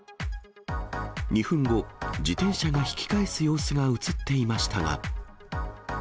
２分後、自転車が引き返す様子が写っていましたが。